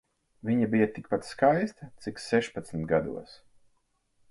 Viņa bija tikpat skaista cik sešpadsmit gados.